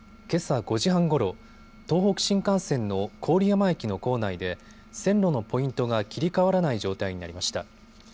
けさ５時半ごろ、東北新幹線の郡山駅の構内で線路のポイントが切り替わらない状態になりました。